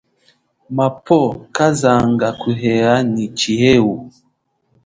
Mapwo kazanga kuheha nyi tshiheu.